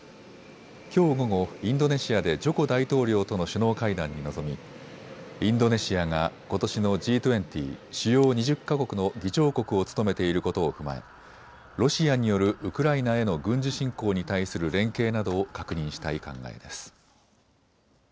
きょう午後、インドネシアでジョコ大統領との首脳会談に臨みインドネシアがことしのＧ２０・主要２０か国の議長国を務めていることを踏まえロシアによるウクライナへの軍事侵攻に対する連携などを確認したい考えです。